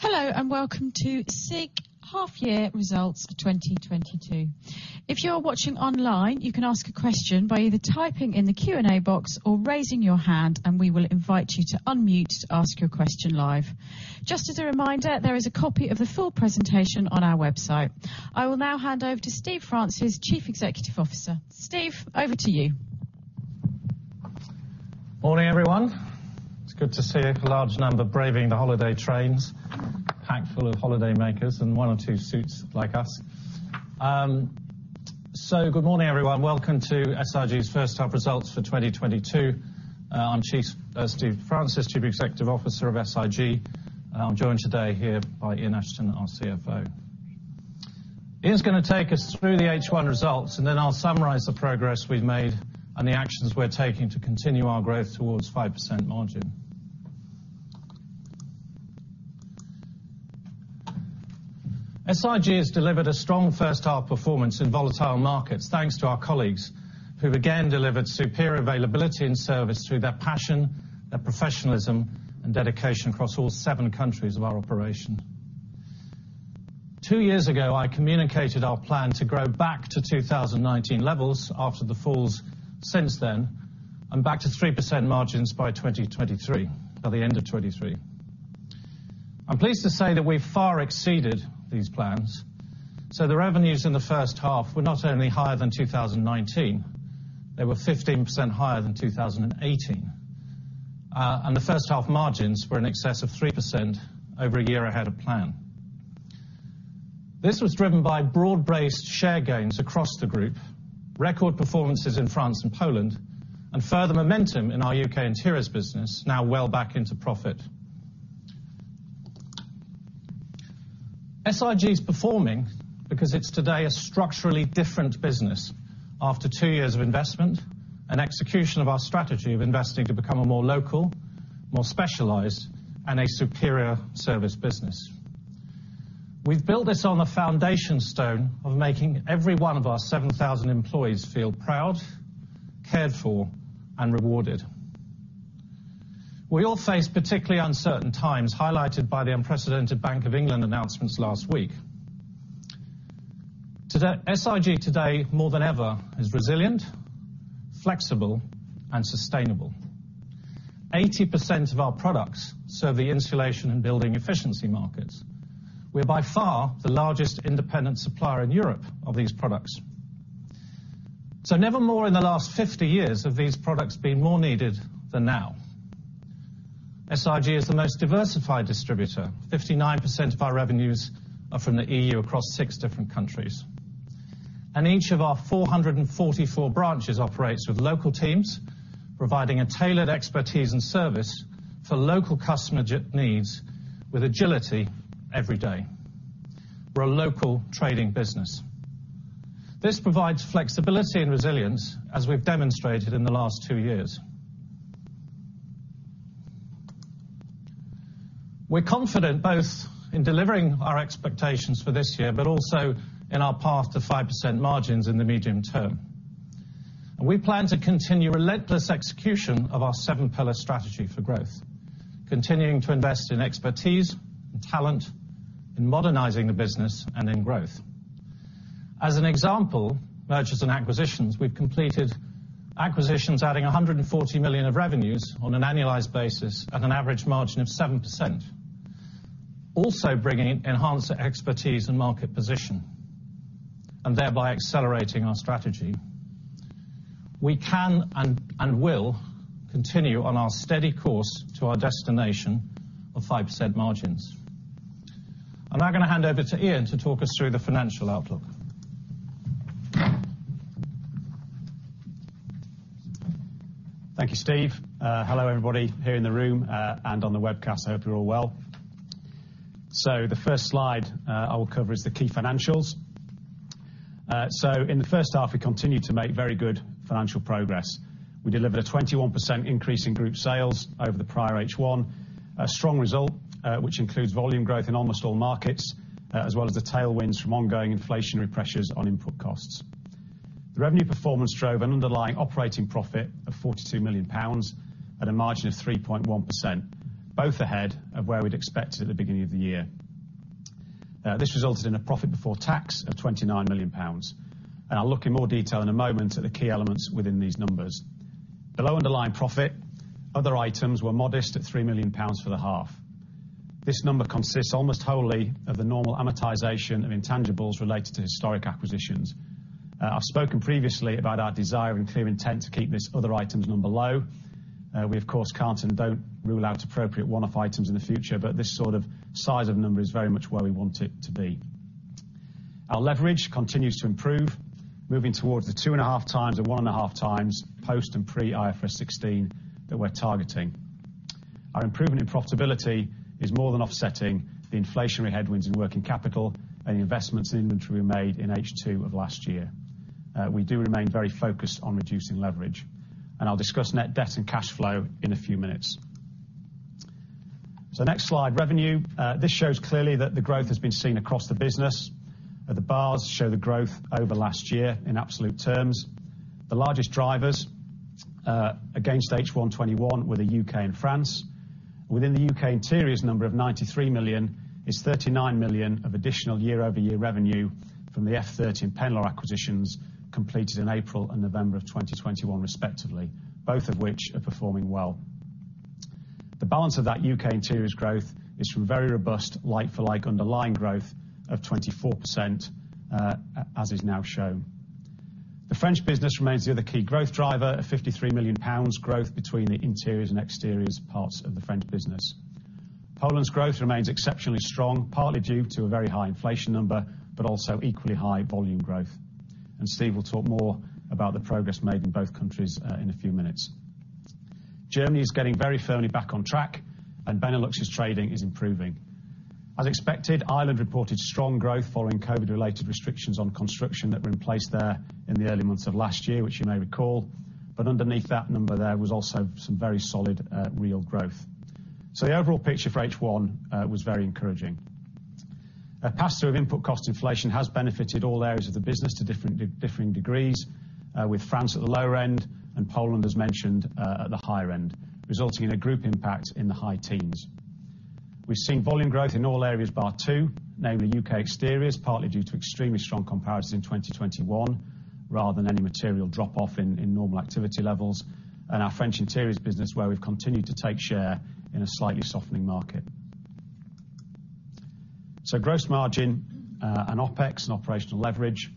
Hello, and welcome to SIG Half-Year Results for 2022. If you are watching online, you can ask a question by either typing in the Q&A box or raising your hand, and we will invite you to unmute to ask your question live. Just as a reminder, there is a copy of the full presentation on our website. I will now hand over to Steve Francis, Chief Executive Officer. Steve, over to you. Good morning, everyone. It's good to see a large number braving the holiday trains packed full of holidaymakers and one or two suits like us. Good morning, everyone. Welcome to SIG's first half results for 2022. I'm Steve Francis, Chief Executive Officer of SIG, and I'm joined today here by Ian Ashton, our CFO. Ian's gonna take us through the H1 results, and then I'll summarize the progress we've made and the actions we're taking to continue our growth towards 5% margin. SIG has delivered a strong first half performance in volatile markets thanks to our colleagues who've again delivered superior availability and service through their passion, their professionalism and dedication across all seven countries of our operation. Two years ago, I communicated our plan to grow back to 2019 levels after the falls since then and back to 3% margins by 2023, by the end of 2023. I'm pleased to say that we've far exceeded these plans. The revenues in the first half were not only higher than 2019, they were 15% higher than 2018. And the first half margins were in excess of 3% over a year ahead of plan. This was driven by broad-based share gains across the group, record performances in France and Poland, and further momentum in our U.K. Interiors business, now well back into profit. SIG is performing because it's today a structurally different business after two years of investment and execution of our strategy of investing to become a more local, more specialized and a superior service business. We've built this on the foundation stone of making every one of our 7,000 employees feel proud, cared for and rewarded. We all face particularly uncertain times, highlighted by the unprecedented Bank of England announcements last week. SIG today, more than ever, is resilient, flexible and sustainable. 80% of our products serve the insulation and building efficiency markets. We're by far the largest independent supplier in Europe of these products. Never more in the last 50 years have these products been more needed than now. SIG is the most diversified distributor. 59% of our revenues are from the EU across six different countries. Each of our 444 branches operates with local teams, providing a tailored expertise and service for local customer JIT needs with agility every day. We're a local trading business. This provides flexibility and resilience as we've demonstrated in the last two years. We're confident both in delivering our expectations for this year, but also in our path to 5% margins in the medium term. We plan to continue relentless execution of our seven pillar strategy for growth, continuing to invest in expertise and talent, in modernizing the business and in growth. As an example, mergers and acquisitions, we've completed acquisitions adding 140 million of revenues on an annualized basis at an average margin of 7%, also bringing enhanced expertise and market position and thereby accelerating our strategy. We can and will continue on our steady course to our destination of 5% margins. I'm now gonna hand over to Ian to talk us through the financial outlook. Thank you, Steve. Hello, everybody here in the room, and on the webcast. I hope you're all well. The first slide I will cover is the key financials. In the first half, we continued to make very good financial progress. We delivered a 21% increase in group sales over the prior H1, a strong result, which includes volume growth in almost all markets, as well as the tailwinds from ongoing inflationary pressures on input costs. The revenue performance drove an underlying operating profit of 42 million pounds at a margin of 3.1%, both ahead of where we'd expect at the beginning of the year. This resulted in a profit before tax of 29 million pounds. I'll look in more detail in a moment at the key elements within these numbers. Below underlying profit, other items were modest, at 3 million pounds for the half. This number consists almost wholly of the normal amortization of intangibles related to historic acquisitions. I've spoken previously about our desire and clear intent to keep this other items number low. We of course can't and don't rule out appropriate one-off items in the future, but this sort of size of number is very much where we want it to be. Our leverage continues to improve, moving towards the 2.5x and 1.5x post and pre-IFRS 16 that we're targeting. Our improvement in profitability is more than offsetting the inflationary headwinds in working capital and the investments in inventory we made in H2 of last year. We do remain very focused on reducing leverage, and I'll discuss net debt and cash flow in a few minutes. Next slide, revenue. This shows clearly that the growth has been seen across the business. The bars show the growth over last year in absolute terms. The largest drivers against H1 2021 were the UK and France. Within the UK Interiors number of 93 million is 39 million of additional year-over-year revenue from the F30 and Penlaw acquisitions completed in April and November of 2021 respectively, both of which are performing well. The balance of that U.K. Interiors growth is from very robust like-for-like underlying growth of 24%, as is now shown. The French business remains the other key growth driver at 53 million pounds growth between the Interiors and Exteriors parts of the French business. Poland's growth remains exceptionally strong, partly due to a very high inflation number, but also equally high volume growth. Steve will talk more about the progress made in both countries in a few minutes. Germany is getting very firmly back on track, and Benelux's trading is improving. As expected, Ireland reported strong growth following COVID-related restrictions on construction that were in place there in the early months of last year, which you may recall. Underneath that number, there was also some very solid real growth. The overall picture for H1 was very encouraging. A pass-through of input cost inflation has benefited all areas of the business to different differing degrees, with France at the lower end and Poland as mentioned at the higher end, resulting in a group impact in the high teens. We've seen volume growth in all areas bar two, namely U.K. Exteriors, partly due to extremely strong comparison in 2021 rather than any material drop-off in normal activity levels. Our French Interiors business, where we've continued to take share in a slightly softening market. Gross margin and OpEx and operational leverage.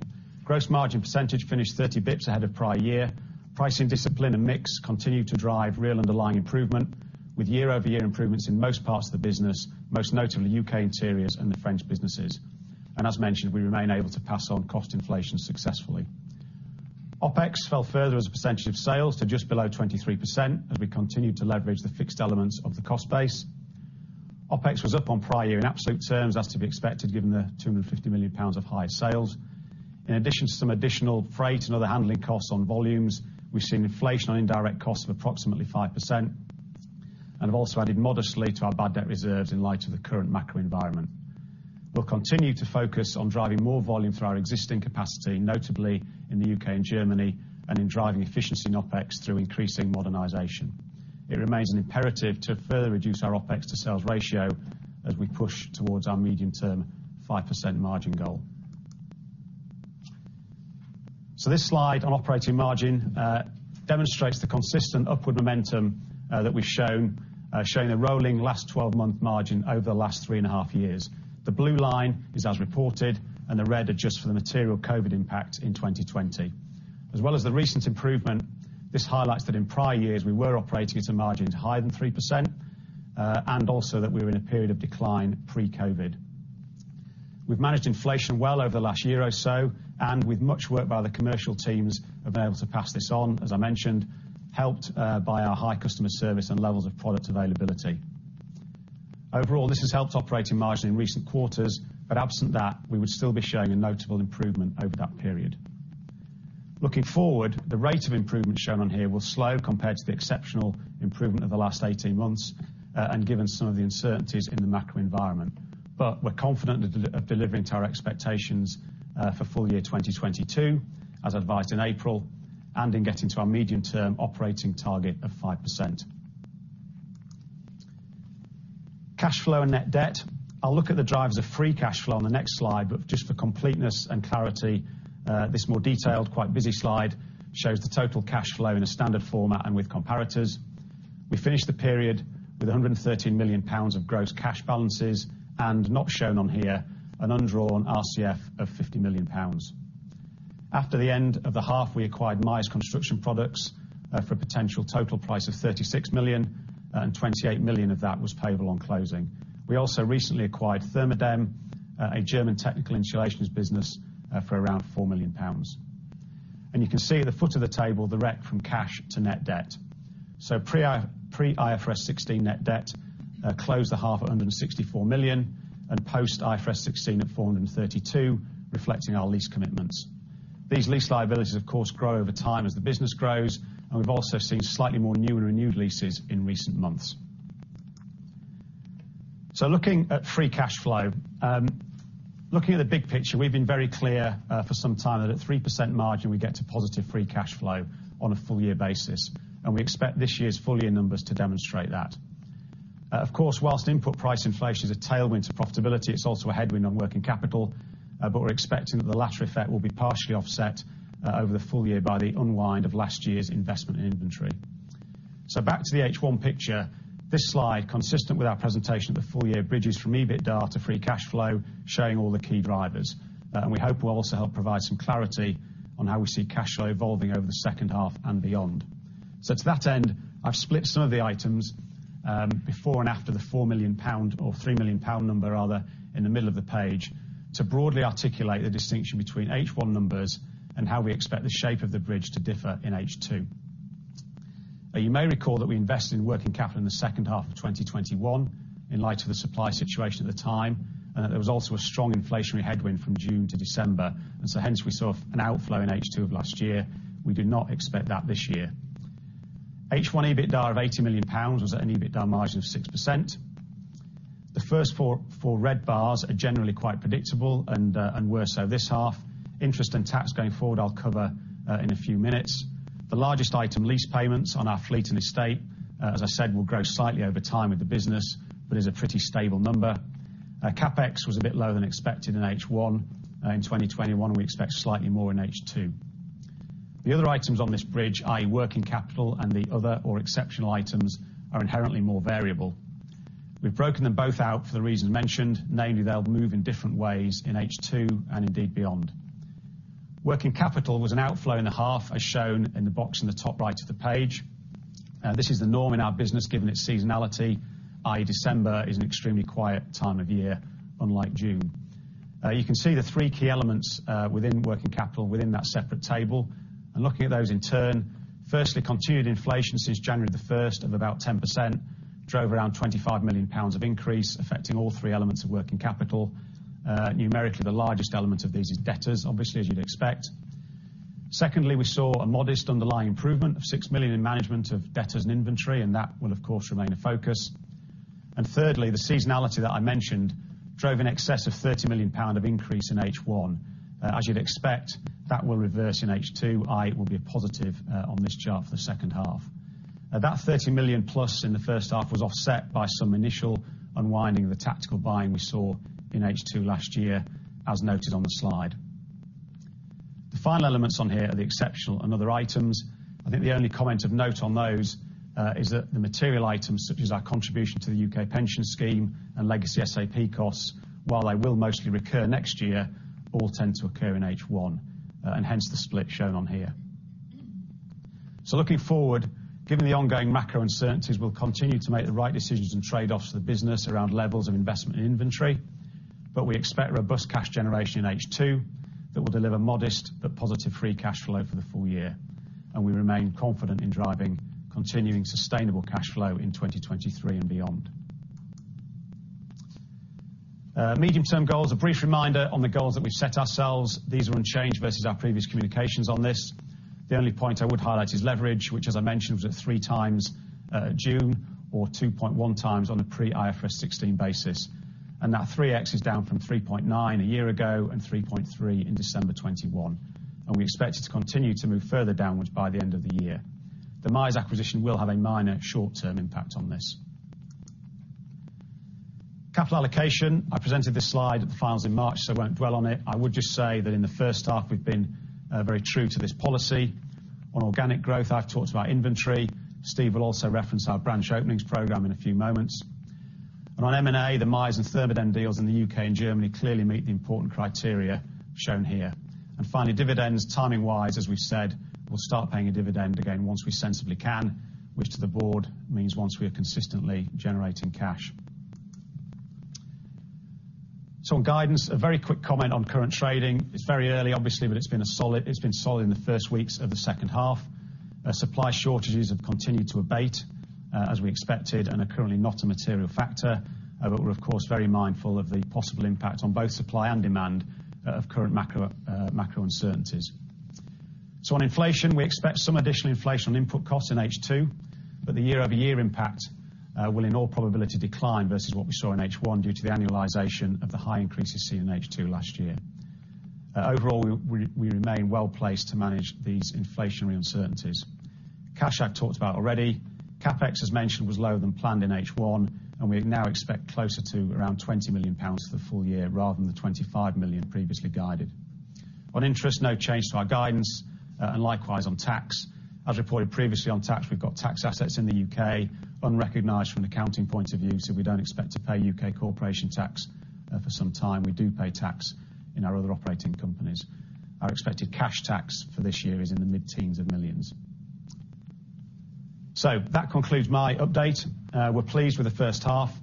Gross margin percentage finished thirty basis points ahead of prior year. Pricing discipline and mix continued to drive real underlying improvement with year-over-year improvements in most parts of the business, most notably U.K. Interiors and the French businesses. As mentioned, we remain able to pass on cost inflation successfully. OpEx fell further as a percentage of sales to just below 23% as we continued to leverage the fixed elements of the cost base. OpEx was up on prior year in absolute terms, as to be expected, given the 250 million pounds of higher sales. In addition to some additional freight and other handling costs on volumes, we've seen inflation on indirect costs of approximately 5% and have also added modestly to our bad debt reserves in light of the current macro environment. We'll continue to focus on driving more volume through our existing capacity, notably in the U.K. and Germany, and in driving efficiency in OpEx through increasing modernization. It remains an imperative to further reduce our OpEx to sales ratio as we push towards our medium-term 5% margin goal. This slide on operating margin demonstrates the consistent upward momentum that we've shown, showing the rolling last 12-month margin over the last 3.5 years. The blue line is as reported, and the red adjusted for the material COVID impact in 2020. As well as the recent improvement, this highlights that in prior years we were operating at some margins higher than 3%, and also that we were in a period of decline pre-COVID. We've managed inflation well over the last year or so, and with much work by the commercial teams, have been able to pass this on, as I mentioned, helped by our high customer service and levels of product availability. Overall, this has helped operating margin in recent quarters, but absent that, we would still be showing a notable improvement over that period. Looking forward, the rate of improvement shown on here will slow compared to the exceptional improvement of the last 18 months, and given some of the uncertainties in the macro environment. We're confident of delivering to our expectations for full year 2022, as advised in April, and in getting to our medium-term operating target of 5%. Cash flow and net debt. I'll look at the drivers of free cash flow on the next slide, but just for completeness and clarity, this more detailed, quite busy slide shows the total cash flow in a standard format and with comparators. We finished the period with 113 million pounds of gross cash balances, and not shown on here, an undrawn RCF of 50 million pounds. After the end of the half, we acquired Miers Construction Products for a potential total price of 36 million, and 28 million of that was payable on closing. We also recently acquired Thermodämm, a German technical installations business, for around 4 million pounds. You can see at the foot of the table the rec from cash to net debt. Pre-IFRS 16 net debt closed the half at 164 million and post IFRS 16 at 432 million, reflecting our lease commitments. These lease liabilities, of course, grow over time as the business grows, and we've also seen slightly more new and renewed leases in recent months. Looking at free cash flow. Looking at the big picture, we've been very clear for some time that at 3% margin, we get to positive free cash flow on a full year basis, and we expect this year's full year numbers to demonstrate that. Of course, while input price inflation is a tailwind to profitability, it's also a headwind on working capital, but we're expecting that the latter effect will be partially offset, over the full year by the unwind of last year's investment in inventory. Back to the H1 picture. This slide, consistent with our presentation of the full year, bridges from EBITDA to free cash flow, showing all the key drivers. We hope will also help provide some clarity on how we see cash flow evolving over the second half and beyond. To that end, I've split some of the items, before and after the 4 million pound or 3 million pound number rather in the middle of the page to broadly articulate the distinction between H1 numbers and how we expect the shape of the bridge to differ in H2. You may recall that we invested in working capital in the second half of 2021 in light of the supply situation at the time, and that there was also a strong inflationary headwind from June to December. We saw an outflow in H2 of last year. We do not expect that this year. H1 EBITDA of 80 million pounds was at an EBITDA margin of 6%. The first four red bars are generally quite predictable and so this half. Interest and tax going forward, I'll cover in a few minutes. The largest item, lease payments on our fleet and estate, as I said, will grow slightly over time with the business, but is a pretty stable number. CapEx was a bit lower than expected in H1. In 2022 we expect slightly more in H2. The other items on this bridge, i.e., working capital and the other or exceptional items, are inherently more variable. We've broken them both out for the reasons mentioned, namely, they'll move in different ways in H2 and indeed beyond. Working capital was an outflow in the half, as shown in the box in the top right of the page. This is the norm in our business, given its seasonality, i.e., December is an extremely quiet time of year, unlike June. You can see the three key elements within working capital within that separate table. Looking at those in turn, firstly, continued inflation since January the first of about 10% drove around 25 million pounds of increase, affecting all three elements of working capital. Numerically, the largest element of these is debtors, obviously, as you'd expect. Secondly, we saw a modest underlying improvement of 6 million in management of debtors and inventory, and that will of course remain a focus. Thirdly, the seasonality that I mentioned drove in excess of 30 million pound of increase in H1. As you'd expect, that will reverse in H2, i.e., it will be a positive on this chart for the second half. That 30 million+ in the first half was offset by some initial unwinding of the tactical buying we saw in H2 last year, as noted on the slide. The final elements on here are the exceptional and other items. I think the only comment of note on those is that the material items, such as our contribution to the U.K. pension scheme and legacy SAP costs, while they will mostly recur next year, all tend to occur in H1, and hence the split shown on here. Looking forward, given the ongoing macro uncertainties, we'll continue to make the right decisions and trade-offs for the business around levels of investment in inventory. We expect robust cash generation in H2 that will deliver modest but positive free cash flow for the full year. We remain confident in driving continuing sustainable cash flow in 2023 and beyond. Medium-term goals. A brief reminder on the goals that we've set ourselves. These are unchanged versus our previous communications on this. The only point I would highlight is leverage, which as I mentioned was at 3x or 2.1x on a pre-IFRS 16 basis. That 3x is down from 3.9 a year ago and 3.3 in December 2021. We expect it to continue to move further downwards by the end of the year. The Miers acquisition will have a minor short-term impact on this. Capital allocation. I presented this slide at the finals in March, so I won't dwell on it. I would just say that in the first half we've been very true to this policy. On organic growth, I've talked about inventory. Steve will also reference our branch openings program in a few moments. On M&A, the Miers and Thermodämm deals in the U.K. and Germany clearly meet the important criteria shown here. Finally, dividends. Timing-wise, as we've said, we'll start paying a dividend again once we sensibly can, which to the board means once we are consistently generating cash. On guidance, a very quick comment on current trading. It's very early obviously, but it's been solid in the first weeks of the second half. Supply shortages have continued to abate, as we expected and are currently not a material factor. But we're of course very mindful of the possible impact on both supply and demand, of current macro uncertainties. On inflation, we expect some additional inflation on input costs in H2, but the year-over-year impact will in all probability decline versus what we saw in H1 due to the annualization of the high increases seen in H2 last year. Overall, we remain well placed to manage these inflationary uncertainties. Cash, I've talked about already. CapEx, as mentioned, was lower than planned in H1, and we now expect closer to around 20 million pounds for the full year rather than the 25 million previously guided. On interest, no change to our guidance, and likewise on tax. As reported previously on tax, we've got tax assets in the U.K. unrecognized from an accounting point of view, so we don't expect to pay U.K. corporation tax for some time. We do pay tax in our other operating companies. Our expected cash tax for this year is in the mid-teens of millions. That concludes my update. We're pleased with the first half.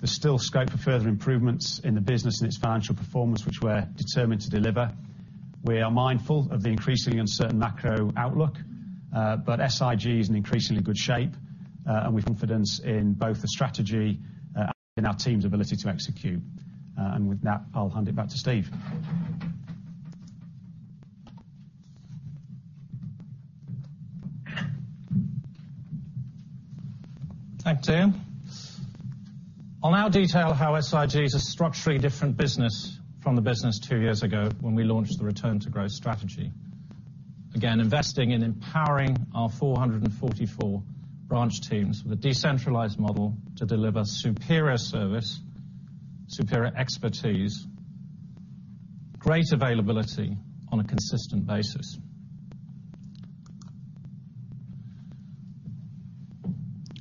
There's still scope for further improvements in the business and its financial performance, which we're determined to deliver. We are mindful of the increasingly uncertain macro outlook, but SIG is in increasingly good shape, and with confidence in both the strategy, and in our team's ability to execute. With that, I'll hand it back to Steve. Thanks, Ian. I'll now detail how SIG is a structurally different business from the business two years ago when we launched the Return to Growth strategy. Again, investing in empowering our 444 branch teams with a decentralized model to deliver superior service, superior expertise, great availability on a consistent basis.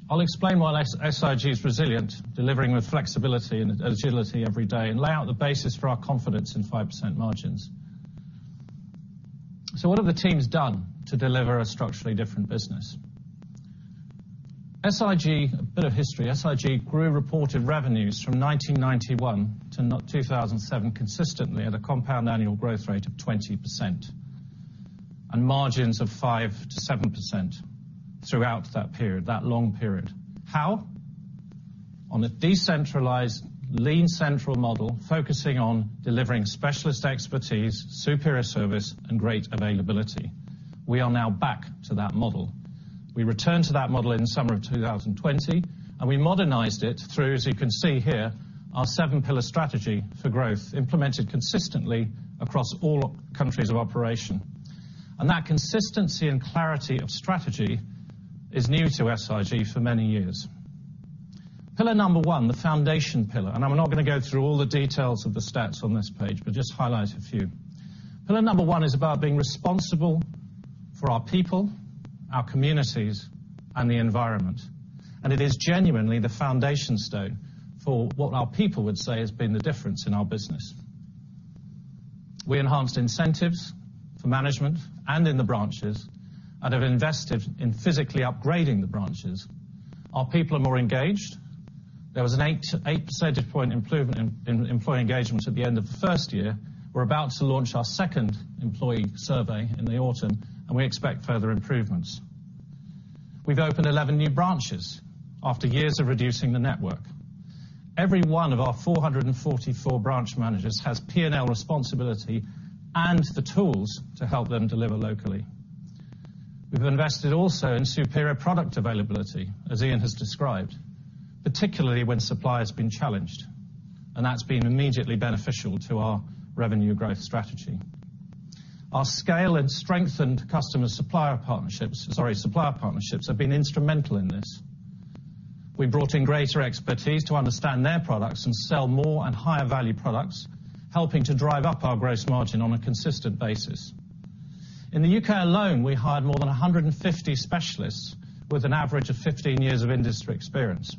I'll explain why SIG is resilient, delivering with flexibility and agility every day, and lay out the basis for our confidence in 5% margins. What have the teams done to deliver a structurally different business? SIG, a bit of history, SIG grew reported revenues from 1991 to 2007 consistently at a compound annual growth rate of 20% and margins of 5%-7% throughout that period, that long period. How? On a decentralized lean central model focusing on delivering specialist expertise, superior service, and great availability. We are now back to that model. We returned to that model in the summer of 2020, and we modernized it through, as you can see here, our seven pillar strategy for growth implemented consistently across all countries of operation. That consistency and clarity of strategy is new to SIG for many years. Pillar number one, the foundation pillar, and I'm not gonna go through all the details of the stats on this page, but just highlight a few. Pillar number one is about being responsible for our people, our communities, and the environment. It is genuinely the foundation stone for what our people would say has been the difference in our business. We enhanced incentives for management and in the branches, and have invested in physically upgrading the branches. Our people are more engaged. There was an 8 percentage point improvement in employee engagement at the end of the first year. We're about to launch our second employee survey in the autumn, and we expect further improvements. We've opened 11 new branches after years of reducing the network. Every one of our 444 branch managers has P&L responsibility and the tools to help them deliver locally. We've invested also in superior product availability, as Ian has described, particularly when supply has been challenged, and that's been immediately beneficial to our revenue growth strategy. Our scale and strengthened customer-supplier partnerships, sorry, supplier partnerships, have been instrumental in this. We brought in greater expertise to understand their products and sell more and higher value products, helping to drive up our gross margin on a consistent basis. In the UK alone, we hired more than 150 specialists with an average of 15 years of industry experience.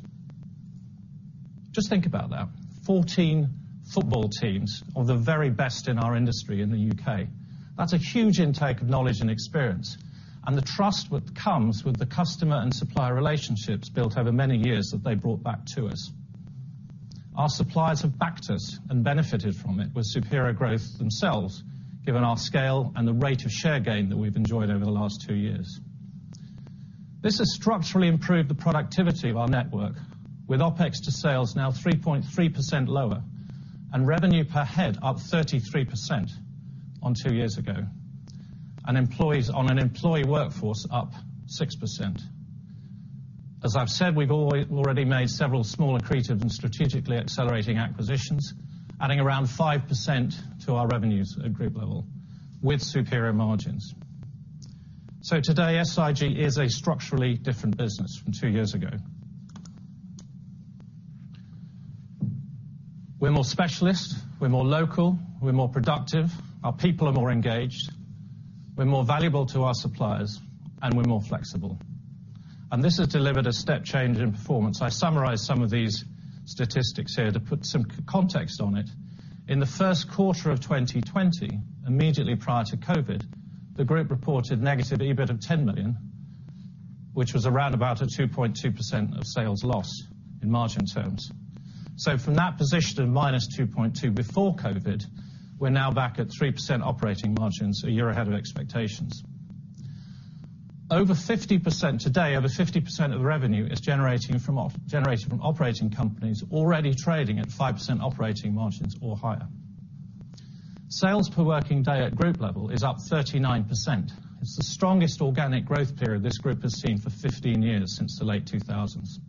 Just think about that. 14 football teams of the very best in our industry in the U.K. That's a huge intake of knowledge and experience, and the trust comes with the customer and supplier relationships built over many years that they brought back to us. Our suppliers have backed us and benefited from it with superior growth themselves, given our scale and the rate of share gain that we've enjoyed over the last two years. This has structurally improved the productivity of our network with OpEx to sales now 3.3% lower, and revenue per head up 33% on two years ago. Employees on an employee workforce up 6%. As I've said, we've already made several small accretive and strategically accelerating acquisitions, adding around 5% to our revenues at group level with superior margins. Today, SIG is a structurally different business from two years ago. We're more specialist, we're more local, we're more productive, our people are more engaged, we're more valuable to our suppliers, and we're more flexible. This has delivered a step change in performance. I summarized some of these statistics here to put some context on it. In the first quarter of 2020, immediately prior to COVID, the group reported negative EBIT of 10 million, which was around about a 2.2% of sales loss in margin terms. From that position of -2.2% before COVID, we're now back at 3% operating margins a year ahead of expectations. Over 50%, today, over 50% of the revenue is generated from operating companies already trading at 5% operating margins or higher. Sales per working day at group level is up 39%. It's the strongest organic growth period this group has seen for 15 years since the late 2000s.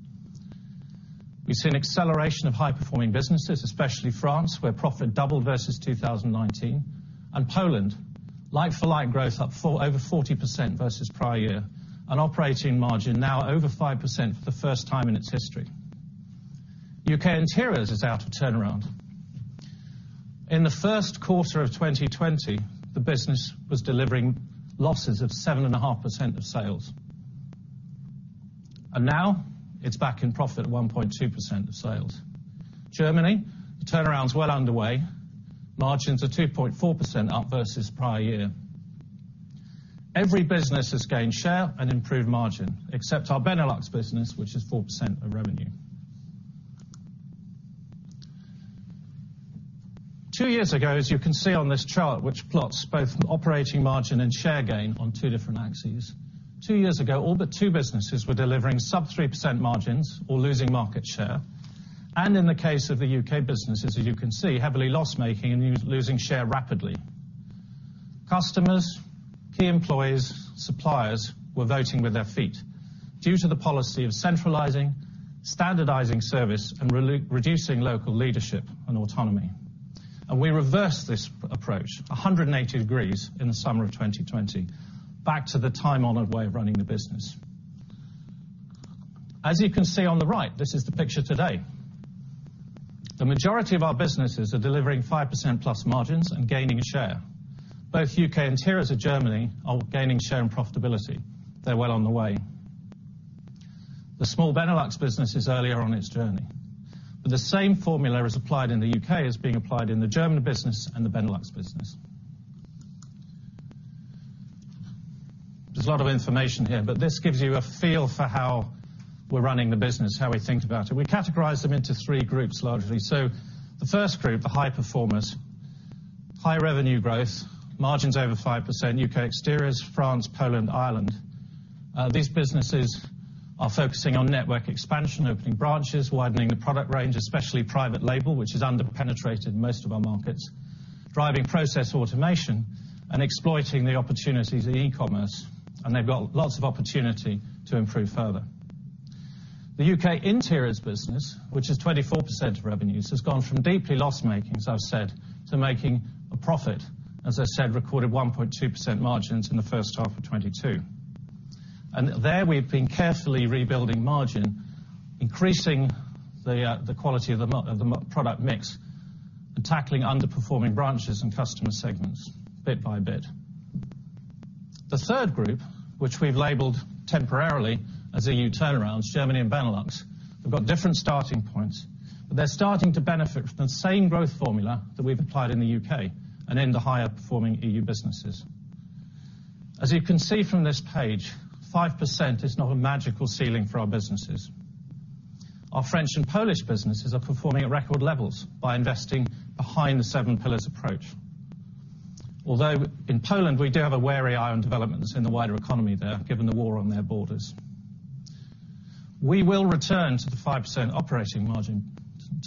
We've seen acceleration of high-performing businesses, especially France, where profit doubled versus 2019. Poland, like for like growth over 40% versus prior year, an operating margin now over 5% for the first time in its history. U.K. Interiors is out of turnaround. In the first quarter of 2020, the business was delivering losses of 7.5% of sales. Now it's back in profit at 1.2% of sales. Germany, the turnaround's well underway. Margins are 2.4% up versus prior year. Every business has gained share and improved margin, except our Benelux business, which is 4% of revenue. Two years ago, as you can see on this chart, which plots both operating margin and share gain on two different axes, two years ago, all but two businesses were delivering sub-3% margins or losing market share. In the case of the U.K. businesses, as you can see, heavily loss-making and losing share rapidly. Customers, key employees, suppliers were voting with their feet due to the policy of centralizing, standardizing service, and reducing local leadership and autonomy. We reversed this approach 180 degrees in the summer of 2020, back to the time-honored way of running the business. As you can see on the right, this is the picture today. The majority of our businesses are delivering 5%+ margins and gaining share. Both U.K. Interiors and Germany are gaining share and profitability. They're well on the way. The small Benelux business is earlier on its journey, but the same formula as applied in the U.K. is being applied in the German business and the Benelux business. There's a lot of information here, but this gives you a feel for how we're running the business, how we think about it. We categorize them into three groups, largely. The first group, the high performers, high revenue growth, margins over 5%, U.K. Exteriors, France, Poland, Ireland. These businesses are focusing on network expansion, opening branches, widening the product range, especially private label, which is under-penetrated in most of our markets, driving process automation, and exploiting the opportunities in e-commerce. They've got lots of opportunity to improve further. The UK Interiors business, which is 24% of revenues, has gone from deeply loss-making, as I've said, to making a profit. As I said, recorded 1.2% margins in the first half of 2022. There we've been carefully rebuilding margin, increasing the quality of the product mix and tackling underperforming branches and customer segments bit by bit. The third group, which we've labeled temporarily as EU Turnarounds, Germany and Benelux, have got different starting points, but they're starting to benefit from the same growth formula that we've applied in the U.K. and in the higher performing EU businesses. As you can see from this page, 5% is not a magical ceiling for our businesses. Our French and Polish businesses are performing at record levels by investing behind the seven pillars approach. Although, in Poland, we do have a wary eye on developments in the wider economy there, given the war on their borders. We will return to the 5% operating margin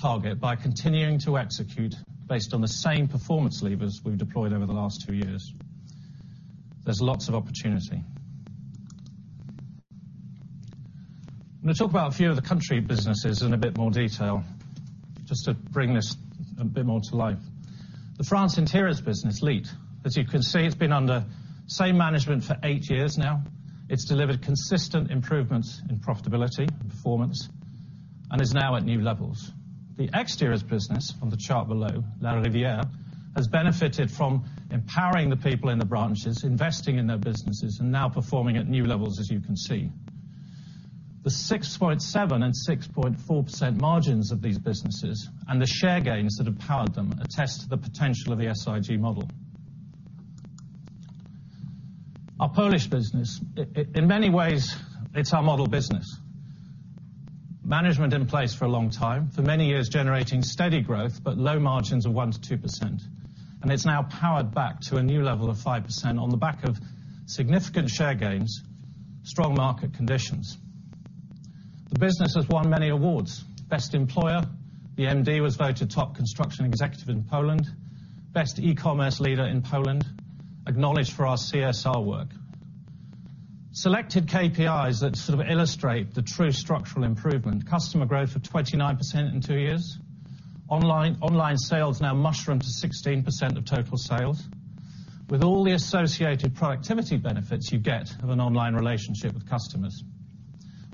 target by continuing to execute based on the same performance levers we've deployed over the last two years. There's lots of opportunity. I'm gonna talk about a few of the country businesses in a bit more detail just to bring this a bit more to life. The France Interiors business, LiTT. As you can see, it's been under same management for eight years now. It's delivered consistent improvements in profitability and performance and is now at new levels. The Exteriors business from the chart below, Larivière, has benefited from empowering the people in the branches, investing in their businesses, and now performing at new levels, as you can see. The 6.7% and 6.4% margins of these businesses and the share gains that have powered them attest to the potential of the SIG model. Our Polish business, in many ways, it's our model business. Management in place for a long time, for many years generating steady growth but low margins of 1%-2%. It's now powered back to a new level of 5% on the back of significant share gains, strong market conditions. The business has won many awards. Best Employer. The MD was voted Top Construction Executive in Poland. Best E-commerce Leader in Poland. Acknowledged for our CSR work. Selected KPIs that sort of illustrate the true structural improvement, customer growth of 29% in two years. Online sales now mushroom to 16% of total sales, with all the associated productivity benefits you get of an online relationship with customers.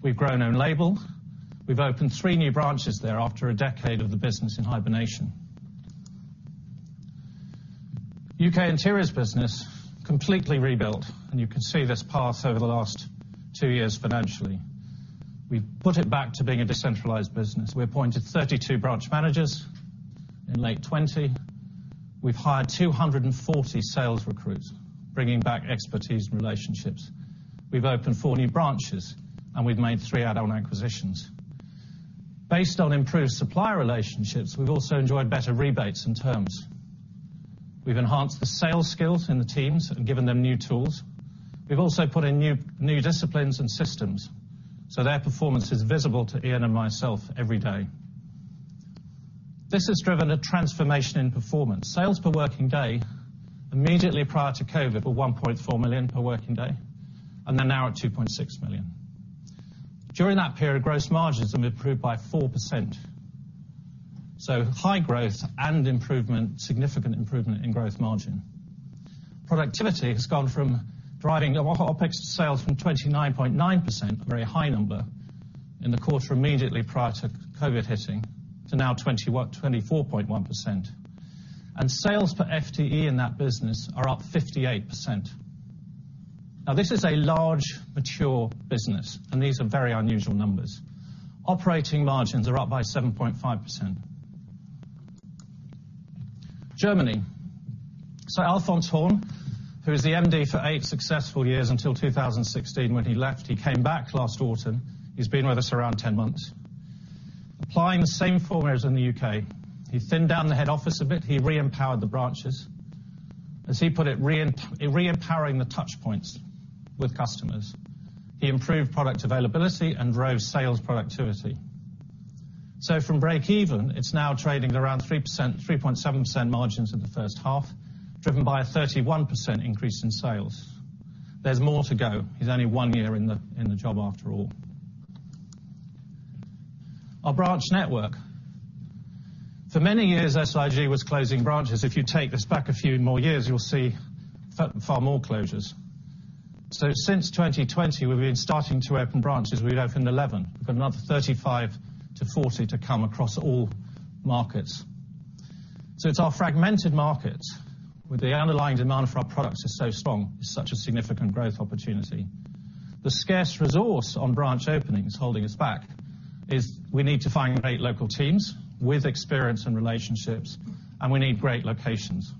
We've grown own label. We've opened three new branches there after a decade of the business in hibernation. U.K. Interiors business completely rebuilt, and you can see this path over the last two years financially. We've put it back to being a decentralized business. We appointed 32 branch managers in late 2020. We've hired 240 sales recruits, bringing back expertise and relationships. We've opened four new branches, and we've made three add-on acquisitions. Based on improved supplier relationships, we've also enjoyed better rebates and terms. We've enhanced the sales skills in the teams and given them new tools. We've also put in new disciplines and systems, so their performance is visible to Ian and myself every day. This has driven a transformation in performance. Sales per working day immediately prior to COVID were 1.4 million per working day, and they're now at 2.6 million. During that period, gross margins have improved by 4%, so high growth and improvement, significant improvement in gross margin. Productivity has gone from OpEx to sales from 29.9%, a very high number, in the quarter immediately prior to COVID hitting, to now 24.1%. Sales per FTE in that business are up 58%. Now, this is a large, mature business, and these are very unusual numbers. Operating margins are up by 7.5%. Germany. Alfons Horn, who was the MD for eight successful years until 2016 when he left, he came back last autumn. He's been with us around 10 months. Applying the same formulas in the U.K. He thinned down the head office a bit. He re-empowered the branches. As he put it, re-empowering the touch points with customers. He improved product availability and drove sales productivity. From break even, it's now trading around 3%, 3.7% margins in the first half, driven by a 31% increase in sales. There's more to go. He's only one year in the job after all. Our branch network. For many years, SIG was closing branches. If you take this back a few more years, you'll see far, far more closures. Since 2020, we've been starting to open branches. We've opened 11. We've got another 35-40 to come across all markets. It's our fragmented markets with the underlying demand for our products is so strong. It's such a significant growth opportunity. The scarce resource on branch openings holding us back is we need to find great local teams with experience and relationships, and we need great locations.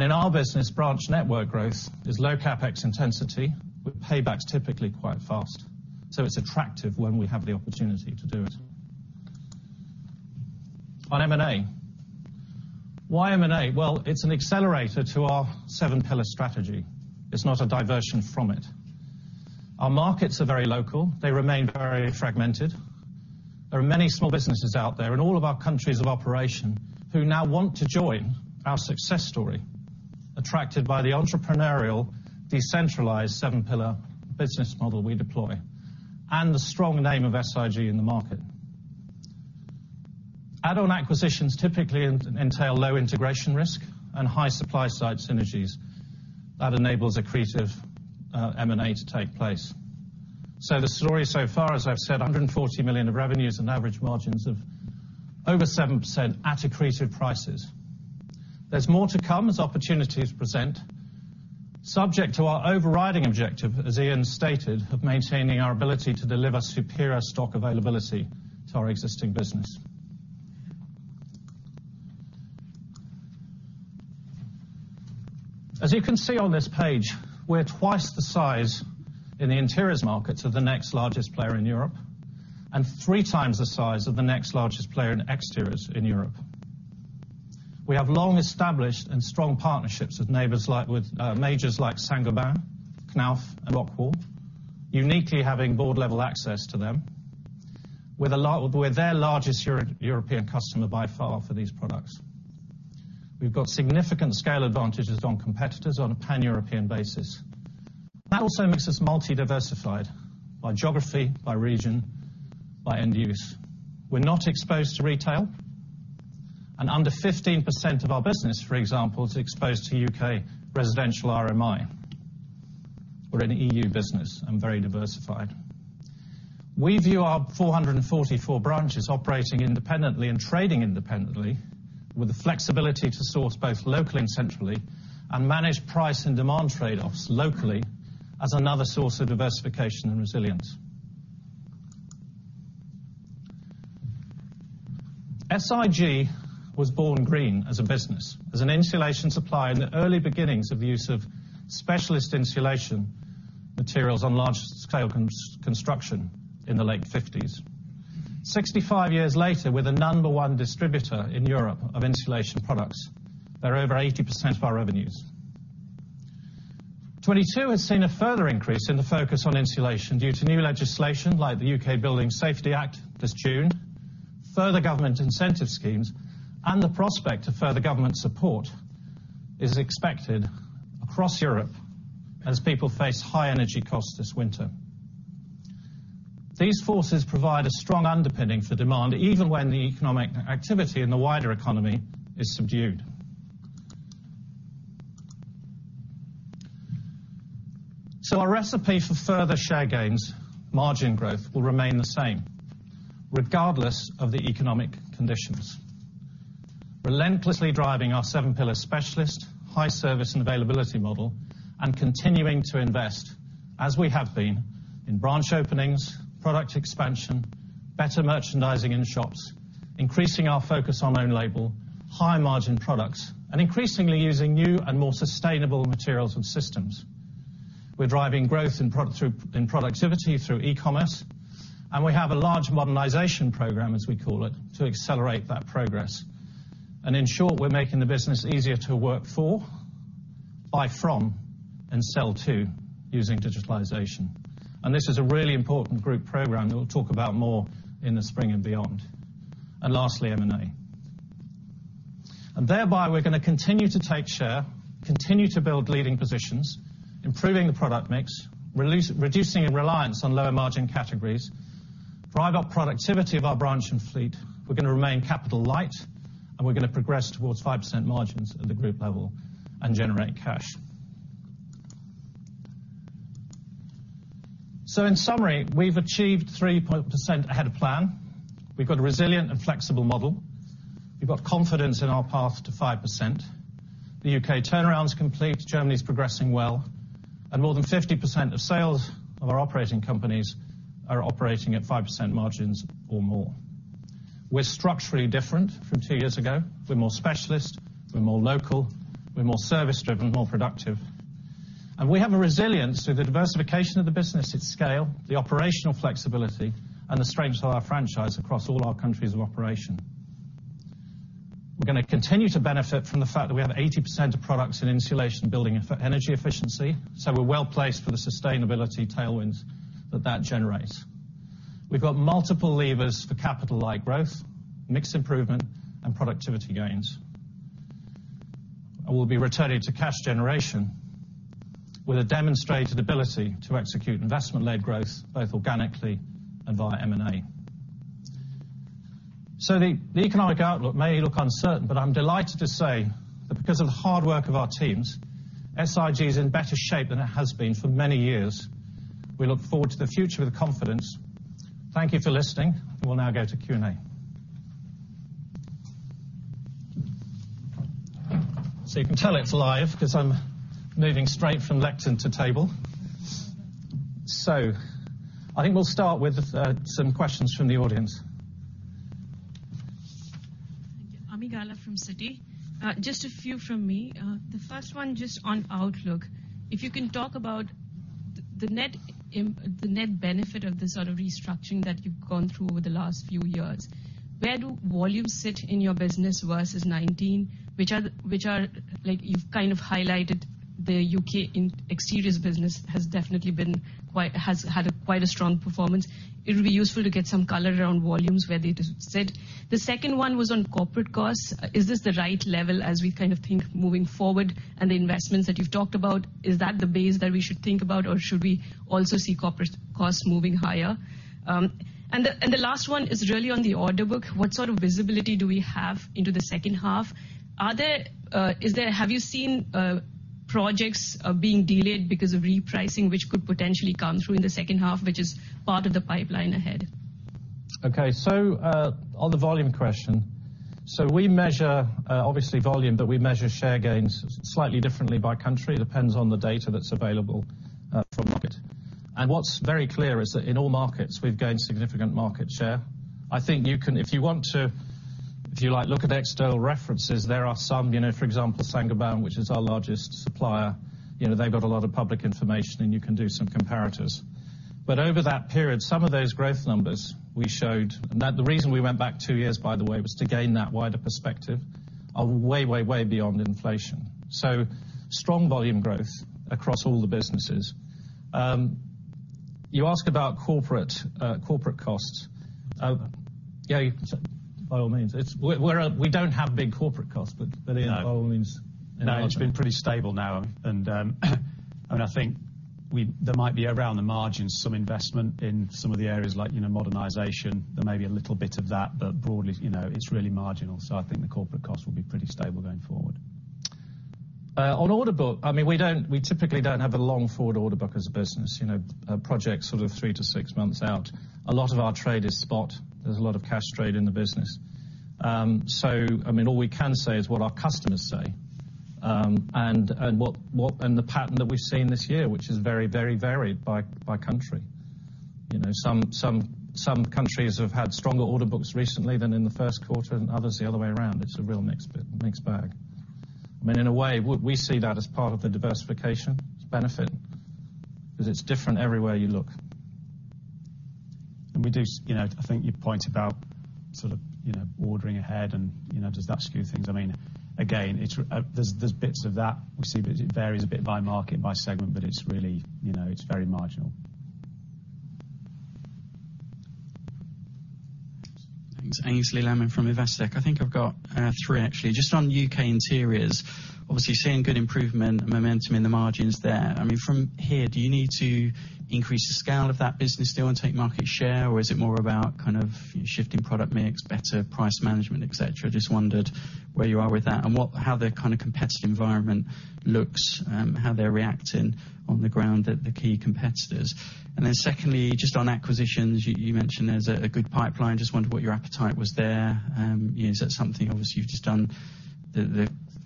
In our business, branch network growth is low CapEx intensity, with paybacks typically quite fast. It's attractive when we have the opportunity to do it. On M&A. Why M&A? Well, it's an accelerator to our seven-pillar strategy. It's not a diversion from it. Our markets are very local. They remain very fragmented. There are many small businesses out there in all of our countries of operation who now want to join our success story, attracted by the entrepreneurial, decentralized seven-pillar business model we deploy, and the strong name of SIG in the market. Add-on acquisitions typically entail low integration risk and high supply-side synergies. That enables accretive, M&A to take place. The story so far, as I've said, 140 million of revenues and average margins of over 7% at accretive prices. There's more to come as opportunities present, subject to our overriding objective, as Ian stated, of maintaining our ability to deliver superior stock availability to our existing business. As you can see on this page, we're twice the size in the interiors market of the next largest player in Europe, and 3x the size of the next largest player in exteriors in Europe. We have long established and strong partnerships with majors like Saint-Gobain, Knauf, and ROCKWOOL, uniquely having board-level access to them. We're their largest European customer by far for these products. We've got significant scale advantages over competitors on a pan-European basis. That also makes us multi-diversified by geography, by region, by end use. We're not exposed to retail, and under 15% of our business, for example, is exposed to U.K. residential RMI. We're an EU business and very diversified. We view our 444 branches operating independently and trading independently with the flexibility to source both locally and centrally and manage price and demand trade-offs locally as another source of diversification and resilience. SIG was born green as a business, as an insulation supplier in the early beginnings of the use of specialist insulation materials on large scale construction in the late 1950s. 65 years later, we're the number one distributor in Europe of insulation products. They're over 80% of our revenues. 2022 has seen a further increase in the focus on insulation due to new legislation like the U.K. Building Safety Act 2022 this June, further government incentive schemes, and the prospect of further government support is expected across Europe as people face high energy costs this winter. These forces provide a strong underpinning for demand, even when the economic activity in the wider economy is subdued. Our recipe for further share gains, margin growth, will remain the same regardless of the economic conditions. Relentlessly driving our seven-pillar specialist, high service and availability model and continuing to invest as we have been in branch openings, product expansion, better merchandising in shops, increasing our focus on own label, high margin products, and increasingly using new and more sustainable materials and systems. We're driving growth in productivity through e-commerce, and we have a large modernization program, as we call it, to accelerate that progress. In short, we're making the business easier to work for, buy from, and sell to using digitalization. This is a really important group program that we'll talk about more in the spring and beyond. Lastly, M&A. Thereby, we're gonna continue to take share, continue to build leading positions, improving the product mix, reducing a reliance on lower margin categories, drive up productivity of our branch and fleet, we're gonna remain capital light, and we're gonna progress towards 5% margins at the group level and generate cash. In summary, we've achieved 3% ahead of plan. We've got a resilient and flexible model. We've got confidence in our path to 5%. The U.K. turnaround's complete, Germany's progressing well, and more than 50% of sales of our operating companies are operating at 5% margins or more. We're structurally different from two years ago. We're more specialist, we're more local, we're more service driven, more productive. We have a resilience through the diversification of the business, its scale, the operational flexibility, and the strength of our franchise across all our countries of operation. We're gonna continue to benefit from the fact that we have 80% of products in insulation building energy efficiency, so we're well placed for the sustainability tailwinds that that generates. We've got multiple levers for capital-light growth, mix improvement, and productivity gains. We'll be returning to cash generation with a demonstrated ability to execute investment-led growth, both organically and via M&A. The economic outlook may look uncertain, but I'm delighted to say that because of the hard work of our teams, SIG's in better shape than it has been for many years. We look forward to the future with confidence. Thank you for listening. We'll now go to Q&A. You can tell it's live, 'cause I'm moving straight from lectern to table. I think we'll start with some questions from the audience. Thank you. Ami Galla from Citi. Just a few from me. The first one just on outlook. If you can talk about the net benefit of this sort of restructuring that you've gone through over the last few years, where do volumes sit in your business versus 2019? Like you've kind of highlighted the U.K. Exteriors business has definitely had quite a strong performance. It would be useful to get some color around volumes where they just sit. The second one was on corporate costs. Is this the right level as we kind of think moving forward and the investments that you've talked about? Is that the base that we should think about, or should we also see corporate costs moving higher? The last one is really on the order book. What sort of visibility do we have into the second half? Have you seen projects being delayed because of repricing, which could potentially come through in the second half, which is part of the pipeline ahead? Okay. On the volume question, we measure, obviously volume, but we measure share gains slightly differently by country. It depends on the data that's available, from market. What's very clear is that in all markets, we've gained significant market share. I think if you want to, like, look at external references, there are some, you know, for example, Saint-Gobain, which is our largest supplier, you know, they've got a lot of public information, and you can do some comparators. Over that period, some of those growth numbers we showed, and that the reason we went back two years, by the way, was to gain that wider perspective are way, way beyond inflation. Strong volume growth across all the businesses. You ask about corporate costs. Yeah, by all means. It's, we're a... We don't have big corporate costs. No. By all means. No, it's been pretty stable now, and I think there might be around the margins some investment in some of the areas like, you know, modernization. There may be a little bit of that, but broadly, you know, it's really marginal, so I think the corporate cost will be pretty stable going forward. On order book, I mean, we typically don't have a long forward order book as a business, you know, a project sort of three to six months out. A lot of our trade is spot. There's a lot of cash trade in the business. So I mean, all we can say is what our customers say, and what and the pattern that we've seen this year, which is very varied by country. You know, some countries have had stronger order books recently than in the first quarter and others the other way around. It's a real mixed bag. I mean, in a way, we see that as part of the diversification. It's a benefit 'cause it's different everywhere you look. We do you know, I think you pointed about sort of, you know, ordering ahead and, you know, does that skew things? I mean, again, there's bits of that we see, but it varies a bit by market, by segment, but it's really, you know, it's very marginal. Thanks. Aynsley Lammin from Investec. I think I've got three actually. Just on U.K. Interiors, obviously seeing good improvement and momentum in the margins there. I mean, from here, do you need to increase the scale of that business still and take market share, or is it more about kind of shifting product mix, better price management, et cetera? Just wondered where you are with that and what how the kind of competitive environment looks, how they're reacting on the ground at the key competitors. Then secondly, just on acquisitions, you mentioned there's a good pipeline. Just wondered what your appetite was there. You know, is that something obviously you've just done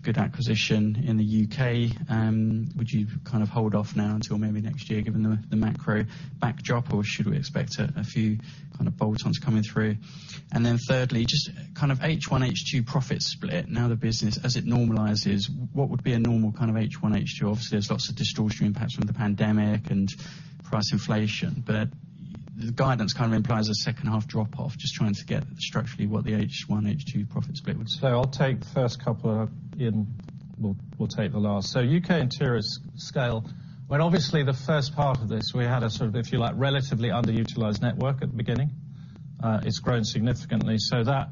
the good acquisition in the U.K.? Would you kind of hold off now until maybe next year given the macro backdrop, or should we expect a few kind of bolt-ons coming through? Then thirdly, just kind of H1, H2 profit split. Now the business as it normalizes, what would be a normal kind of H1, H2? Obviously, there's lots of distortion, perhaps from the pandemic and price inflation, but the guidance kind of implies a second half drop-off. Just trying to get structurally what the H1, H2 profit split would say. I'll take the first couple of, Ian will take the last. U.K. Interiors scale, when obviously the first part of this we had a sort of, if you like, relatively underutilized network at the beginning, it's grown significantly. That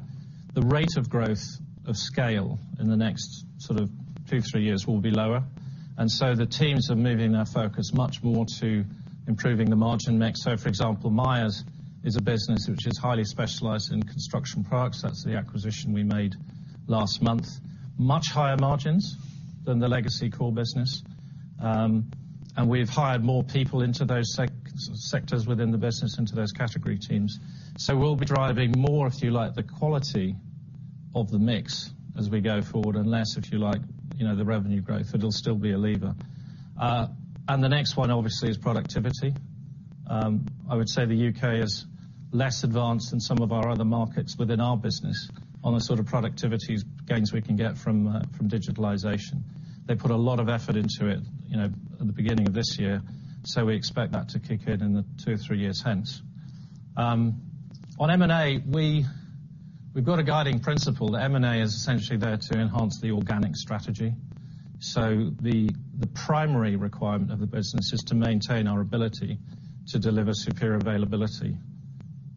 the rate of growth of scale in the next sort of two, three years will be lower. The teams are moving their focus much more to improving the margin mix. For example, Miers is a business which is highly specialized in construction products. That's the acquisition we made last month. Much higher margins than the legacy core business. We've hired more people into those sectors within the business, into those category teams. We'll be driving more, if you like, the quality of the mix as we go forward, and less, if you like, you know, the revenue growth. It'll still be a lever. The next one obviously is productivity. I would say the U.K. is less advanced than some of our other markets within our business on the sort of productivity gains we can get from digitalization. They put a lot of effort into it, you know, at the beginning of this year, so we expect that to kick in in the two or three years hence. On M&A, we've got a guiding principle that M&A is essentially there to enhance the organic strategy. The primary requirement of the business is to maintain our ability to deliver superior availability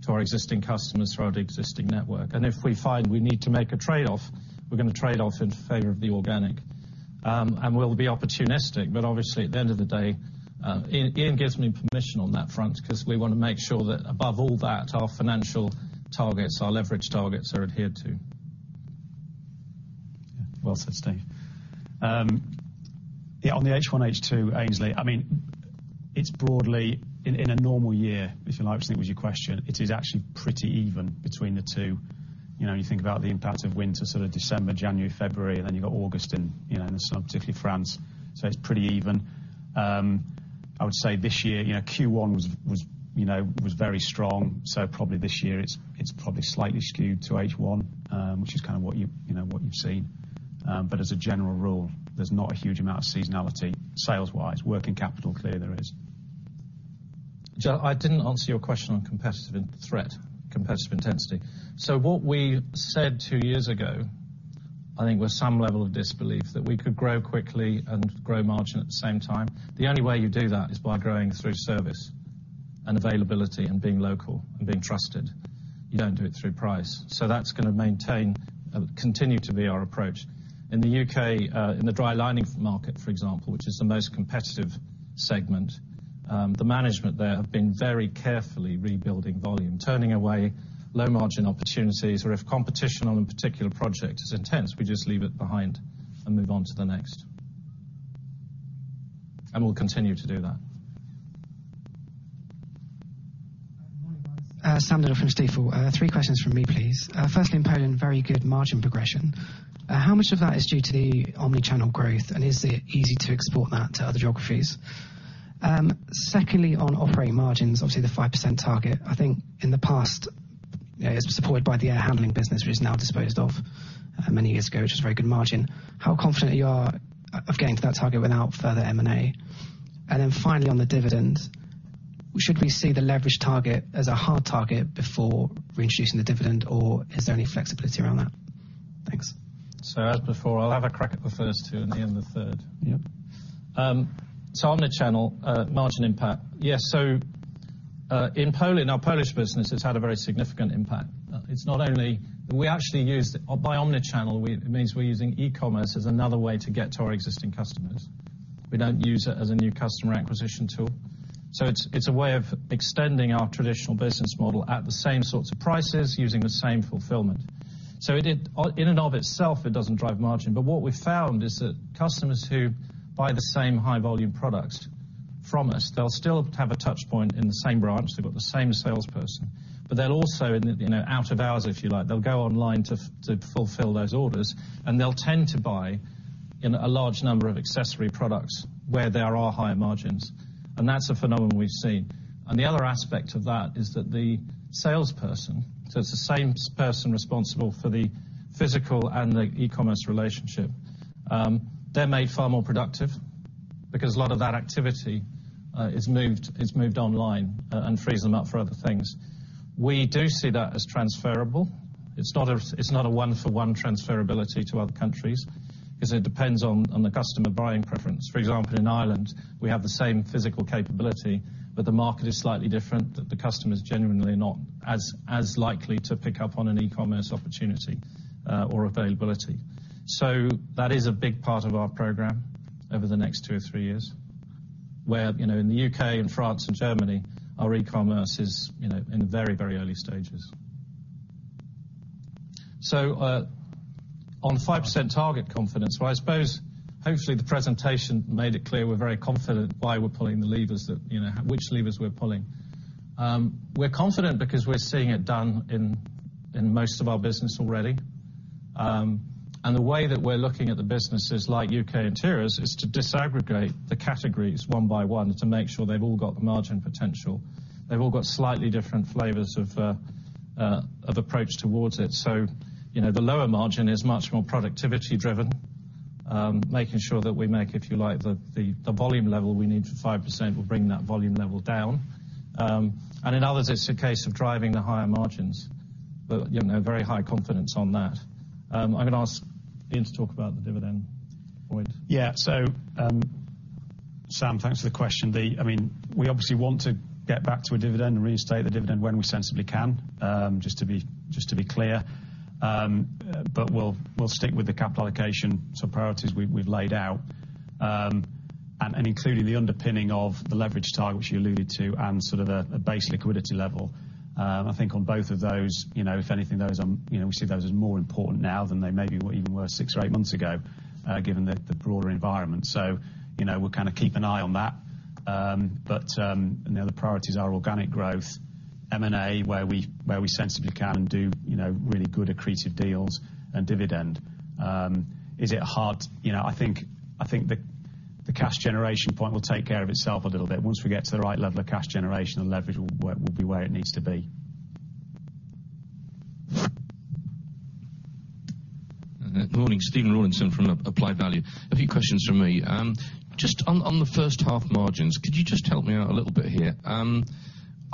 to our existing customers throughout the existing network. If we find we need to make a trade-off, we're gonna trade off in favor of the organic. We'll be opportunistic, but obviously at the end of the day, Ian gives me permission on that front 'cause we wanna make sure that above all that, our financial targets, our leverage targets are adhered to. Yeah. Well said, Steve. Yeah, on the H1, H2, Aynsley, I mean, it's broadly in a normal year, if you like, which I think was your question, it is actually pretty even between the two. You know, you think about the impact of winter, sort of December, January, February, and then you've got August and, you know, in the south, particularly France. It's pretty even. I would say this year, you know, Q1 was very strong. Probably this year it's probably slightly skewed to H1, which is kind of what you know what you've seen. As a general rule, there's not a huge amount of seasonality sales-wise. Working capital, clearly there is. I didn't answer your question on competitive threat, competitive intensity. What we said two years ago, I think with some level of disbelief, that we could grow quickly and grow margin at the same time. The only way you do that is by growing through service and availability and being local and being trusted. You don't do it through price. That's gonna continue to be our approach. In the U.K., in the dry lining market, for example, which is the most competitive segment, the management there have been very carefully rebuilding volume, turning away low-margin opportunities, or if competition on a particular project is intense, we just leave it behind and move on to the next. We'll continue to do that. Morning, guys. Sam Dindol from Stifel. Three questions from me, please. Firstly, in Poland, very good margin progression. How much of that is due to the omni-channel growth, and is it easy to export that to other geographies? Secondly, on operating margins, obviously the 5% target, I think in the past, you know, it was supported by the Air Handling business, which is now disposed of many years ago, which was a very good margin. How confident you are of getting to that target without further M&A? Finally, on the dividend, should we see the leverage target as a hard target before reintroducing the dividend, or is there any flexibility around that? Thanks. As before, I'll have a crack at the first two and Ian, the third. Yep. Omni-channel margin impact. In Poland, our Polish business has had a very significant impact. We actually use omni-channel. It means we're using e-commerce as another way to get to our existing customers. We don't use it as a new customer acquisition tool. It's a way of extending our traditional business model at the same sorts of prices, using the same fulfillment. It in and of itself, it doesn't drive margin, but what we found is that customers who buy the same high-volume products from us, they'll still have a touchpoint in the same branch, they've got the same salesperson, but they'll also in, you know, out of hours, if you like, they'll go online to fulfill those orders, and they'll tend to buy, you know, a large number of accessory products where there are higher margins. That's a phenomenon we've seen. The other aspect of that is that the salesperson, so it's the same person responsible for the physical and the e-commerce relationship, they're made far more productive because a lot of that activity is moved online and frees them up for other things. We do see that as transferable. It's not a one-for-one transferability to other countries, 'cause it depends on the customer buying preference. For example, in Ireland, we have the same physical capability, but the market is slightly different, that the customer's genuinely not as likely to pick up on an e-commerce opportunity or availability. That is a big part of our program over the next two or three years, where, you know, in the U.K. and France and Germany, our e-commerce is, you know, in the very, very early stages. On 5% target confidence, well I suppose, hopefully the presentation made it clear we're very confident why we're pulling the levers that, you know, which levers we're pulling. We're confident because we're seeing it done in most of our business already. The way that we're looking at the businesses like U.K. Interiors is to disaggregate the categories one by one to make sure they've all got the margin potential. They've all got slightly different flavors of of approach towards it. You know, the lower margin is much more productivity driven, making sure that we make, if you like, the volume level we need for 5%, we're bringing that volume level down. In others, it's a case of driving the higher margins. You know, very high confidence on that. I'm gonna ask Ian to talk about the dividend point. Yeah, Sam, thanks for the question. I mean, we obviously want to get back to a dividend and reinstate the dividend when we sensibly can, just to be clear. We'll stick with the capital allocation, sort of priorities we've laid out, and including the underpinning of the leverage target which you alluded to, and sort of a base liquidity level. I think on both of those, you know, if anything, those, you know, we see those as more important now than they maybe even were six or eight months ago, given the broader environment. You know, we'll kind of keep an eye on that. You know, the priorities are organic growth, M&A, where we sensibly can do, you know, really good accretive deals and dividend. Is it hard? You know, I think the cash generation point will take care of itself a little bit. Once we get to the right level of cash generation and leverage we will be where it needs to be. Good morning. Stephen Rawlinson from Applied Value. A few questions from me. Just on the first half margins, could you just help me out a little bit here?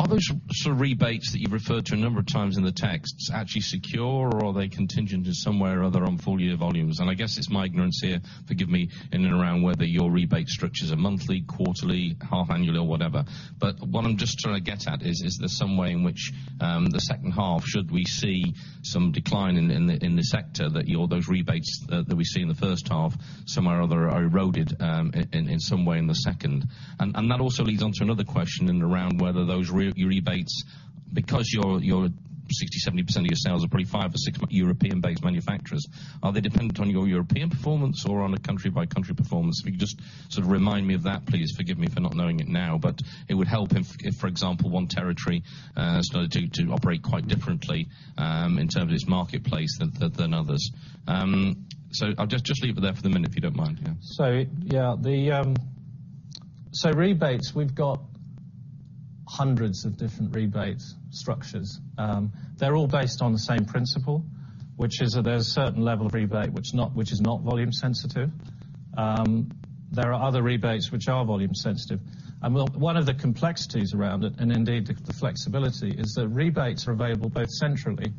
Are those sort of rebates that you've referred to a number of times in the texts actually secure, or are they contingent in some way or other on full-year volumes? I guess it's my ignorance here, forgive me, in and around whether your rebate structures are monthly, quarterly, half-annually, or whatever. What I'm just trying to get at is there some way in which the second half, should we see some decline in the sector that those rebates that we see in the first half somewhere or other are eroded in some way in the second? That also leads on to another question regarding whether those rebates, because 60%-70% of your sales are probably five or six major European-based manufacturers. Are they dependent on your European performance or on a country-by-country performance? If you could just sort of remind me of that, please. Forgive me for not knowing it now, but it would help if, for example, one territory started to operate quite differently in terms of its marketplace than others. So I'll just leave it there for the minute, if you don't mind. Yeah. Rebates, we've got hundreds of different rebate structures. They're all based on the same principle. Which is that there's a certain level of rebate which is not volume sensitive. There are other rebates which are volume sensitive. Well, one of the complexities around it, and indeed the flexibility, is that rebates are available both centrally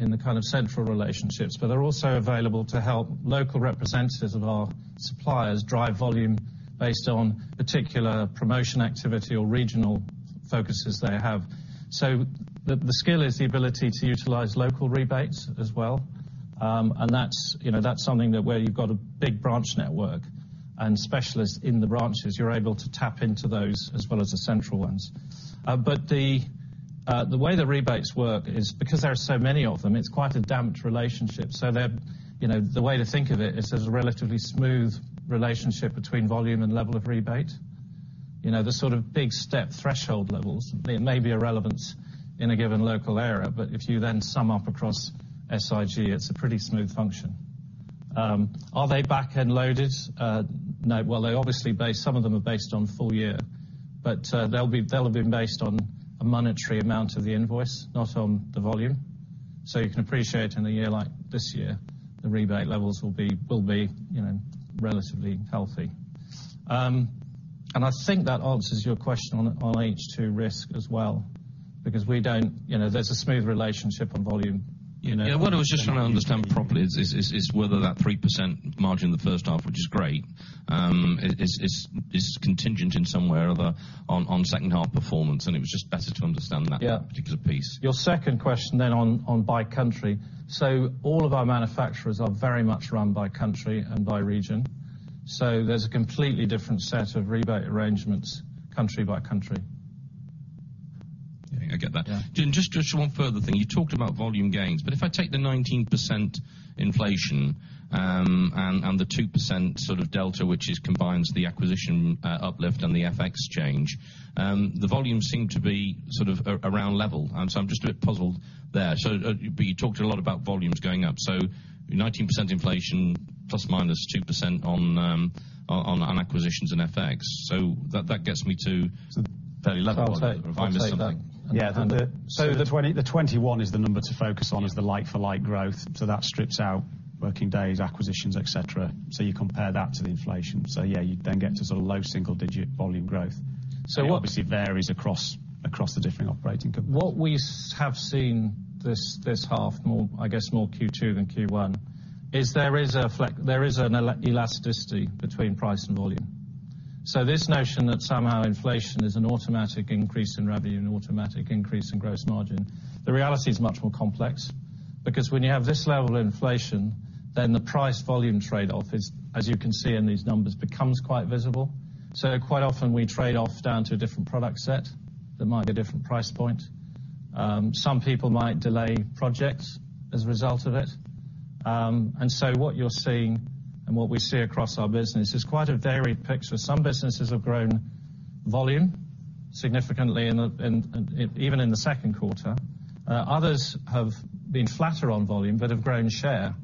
in the kind of central relationships, but they're also available to help local representatives of our suppliers drive volume based on particular promotion activity or regional focuses they have. The skill is the ability to utilize local rebates as well. That's, you know, something that where you've got a big branch network and specialists in the branches, you're able to tap into those as well as the central ones. The way the rebates work is because there are so many of them, it's quite a damped relationship. They're, you know, the way to think of it is there's a relatively smooth relationship between volume and level of rebate. You know, the sort of big step threshold levels, they may be irrelevant in a given local area, but if you then sum up across SIG, it's a pretty smooth function. Are they back-end loaded? No. Well, they obviously some of them are based on full year, but, they'll be, they'll have been based on a monetary amount of the invoice, not on the volume. You can appreciate in a year like this year, the rebate levels will be, you know, relatively healthy. I think that answers your question on H2 risk as well, because we don't, you know, there's a smooth relationship on volume, you know. Yeah. What I was just trying to understand properly is whether that 3% margin in the first half, which is great, is contingent in some way or other on second half performance, and it was just better to understand that particular piece. Yeah. Your second question on by country. So all of our manufacturers are very much run by country and by region. So there's a completely different set of rebate arrangements country by country. Yeah, I get that. Yeah. Just one further thing. You talked about volume gains, but if I take the 19% inflation and the 2% sort of delta, which combines the acquisition uplift and the FX change, the volumes seem to be sort of around level. I'm just a bit puzzled there. You talked a lot about volumes going up. 19% inflation, ±2% on acquisitions and FX. That gets me to fairly level. If I missed something. Yeah. The 21% is the number to focus on, the like-for-like growth. That strips out working days, acquisitions, et cetera. You compare that to the inflation. Yeah, you then get to sort of low single-digit volume growth. It obviously varies across the different operating companies. What we have seen this half more, I guess, more Q2 than Q1, is an elasticity between price and volume. This notion that somehow inflation is an automatic increase in revenue and automatic increase in gross margin, the reality is much more complex because when you have this level of inflation, then the price volume trade-off is, as you can see in these numbers, becomes quite visible. Quite often we trade off down to a different product set that might be a different price point. Some people might delay projects as a result of it. What you're seeing and what we see across our business is quite a varied picture. Some businesses have grown volume significantly even in the second quarter. Others have been flatter on volume but have grown share.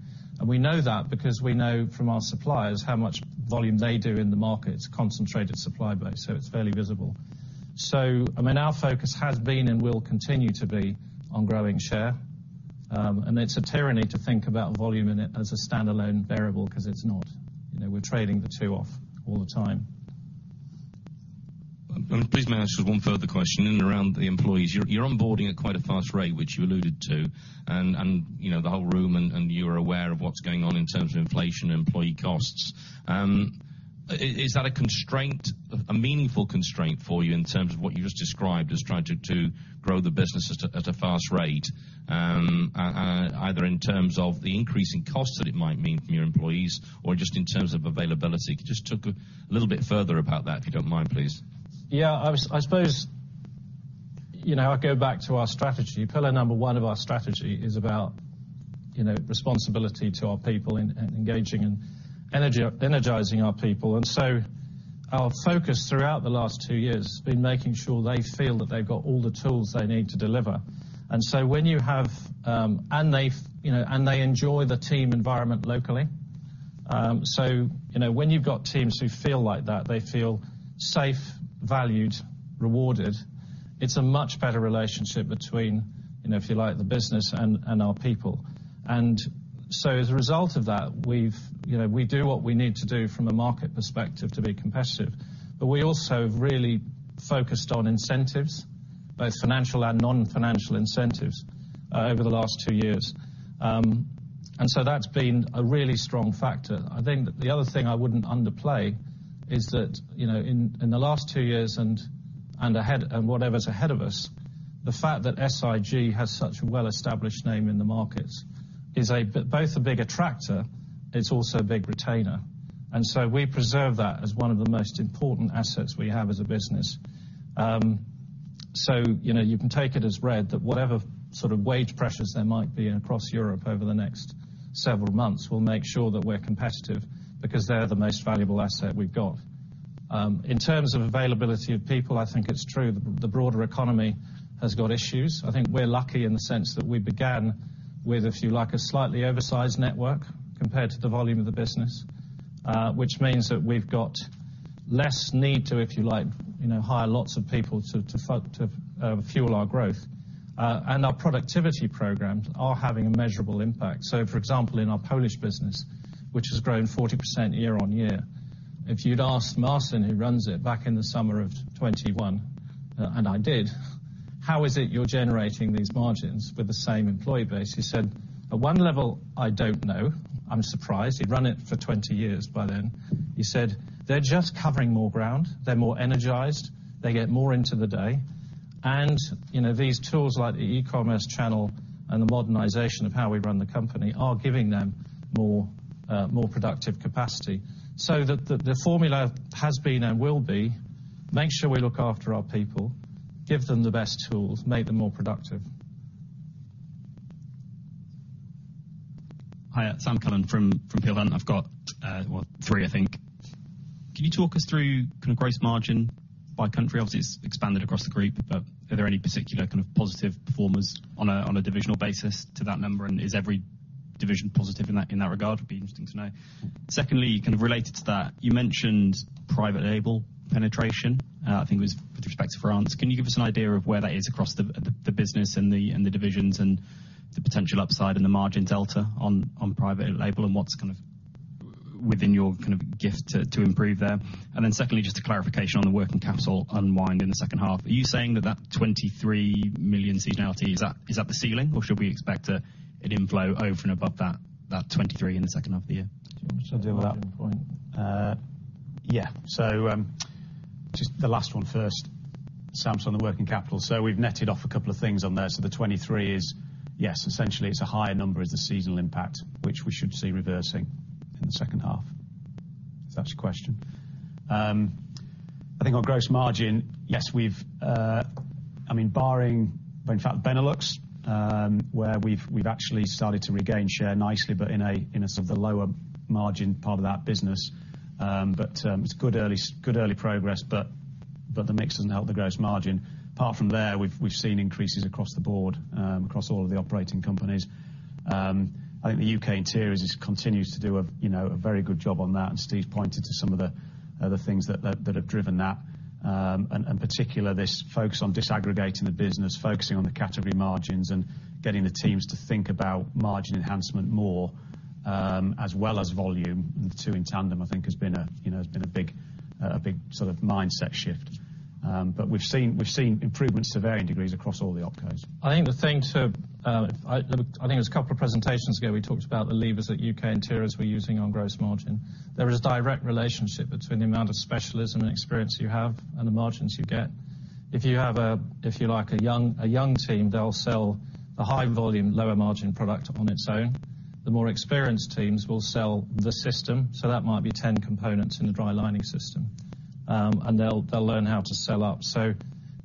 We know that because we know from our suppliers how much volume they do in the markets, concentrated supply base, so it's fairly visible. I mean, our focus has been and will continue to be on growing share. It's a tyranny to think about volume in it as a standalone variable because it's not. You know, we're trading the two off all the time. Please may I ask you one further question in and around the employees. You're onboarding at quite a fast rate, which you alluded to, and you know, the whole room and you're aware of what's going on in terms of inflation and employee costs. Is that a constraint, a meaningful constraint for you in terms of what you just described as trying to grow the business at a fast rate, either in terms of the increase in costs that it might mean from your employees or just in terms of availability? Could you just talk a little bit further about that, if you don't mind, please. Yeah, I suppose, you know, I go back to our strategy. Pillar number one of our strategy is about, you know, responsibility to our people and engaging and energizing our people. Our focus throughout the last two years has been making sure they feel that they've got all the tools they need to deliver. When you have, you know, and they enjoy the team environment locally. you know, when you've got teams who feel like that, they feel safe, valued, rewarded, it's a much better relationship between, you know, if you like, the business and our people. As a result of that, we've, you know, we do what we need to do from a market perspective to be competitive. But we also have really focused on incentives, both financial and non-financial incentives, over the last two years. That's been a really strong factor. I think the other thing I wouldn't underplay is that, you know, in the last two years and ahead, and whatever's ahead of us, the fact that SIG has such a well-established name in the markets is both a big attractor, it's also a big retainer. We preserve that as one of the most important assets we have as a business. You know, you can take it as read that whatever sort of wage pressures there might be across Europe over the next several months, we'll make sure that we're competitive because they're the most valuable asset we've got. In terms of availability of people, I think it's true the broader economy has got issues. I think we're lucky in the sense that we began with, if you like, a slightly oversized network compared to the volume of the business, which means that we've got less need to, if you like, you know, hire lots of people to fuel our growth. Our productivity programs are having a measurable impact. For example, in our Polish business, which has grown 40% year-on-year, if you'd asked Marcin, who runs it, back in the summer of 2021, and I did, how is it you're generating these margins with the same employee base? He said, "At one level, I don't know. I'm surprised." He'd run it for 20 years by then. He said, "They're just covering more ground. They're more energized. They get more into the day." You know, these tools like the e-commerce channel and the modernization of how we run the company are giving them more productive capacity. The formula has been and will be, make sure we look after our people, give them the best tools, make them more productive. Hi, Sam Cullen from Peel Hunt. I've got three, I think. Can you talk us through kind of gross margin by country? Obviously it's expanded across the group, but are there any particular kind of positive performers on a divisional basis to that number? Is every division positive in that regard? It'd be interesting to know. Secondly, kind of related to that, you mentioned private label penetration. I think it was with respect to France. Can you give us an idea of where that is across the business and the divisions and the potential upside and the margin delta on private label and what's kind of within your kind of gift to improve there? Secondly, just a clarification on the working capital unwind in the second half. Are you saying that 23 million seasonality, is that the ceiling or should we expect an inflow over and above that 23 million in the second half of the year? Do you want me to deal with that one? Just the last one first. Sam on the working capital. We've netted off a couple of things on there. The 23 million is, yes, essentially it's a higher number is the seasonal impact, which we should see reversing in the second half. If that's your question. I think our gross margin, yes, we've. I mean, barring, in fact, Benelux, where we've actually started to regain share nicely, but in a sort of the lower margin part of that business. But it's good early progress, but the mix doesn't help the gross margin. Apart from there, we've seen increases across the board, across all of the operating companies. I think the U.K. Interiors just continues to do, you know, a very good job on that, and Steve's pointed to some of the things that have driven that. In particular, this focus on disaggregating the business, focusing on the category margins and getting the teams to think about margin enhancement more, as well as volume. The two in tandem, I think, has been, you know, a big sort of mindset shift. We've seen improvements to varying degrees across all the opcos. I think it was a couple of presentations ago, we talked about the levers that U.K. Interiors were using on gross margin. There is direct relationship between the amount of specialism and experience you have and the margins you get. If you have a, if you like, a young team, they'll sell the high volume, lower margin product on its own. The more experienced teams will sell the system, so that might be 10 components in a dry lining system. And they'll learn how to sell up.